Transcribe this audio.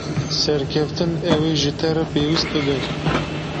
Serkeftin ew ê ji te re pêwîst bibe.